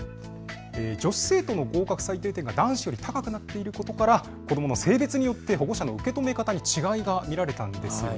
女子生徒の合格最低点が男子より高くなっていることから子どもの性別によって保護者の受け止め方に違いが見られたんです。